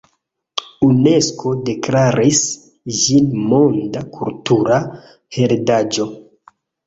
Unesko deklaris ĝin Monda Kultura Heredaĵo.